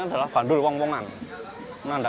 jempa ringan diperkosa dengan jempa ringan